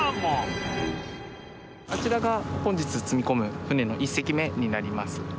あちらが本日積み込む船の１隻目になります。